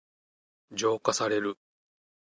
浄化される。